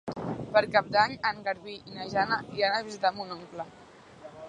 Per Cap d'Any en Garbí i na Jana iran a visitar mon oncle.